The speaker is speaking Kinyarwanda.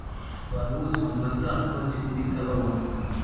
abantu bose bumva za nkuba zikubita babona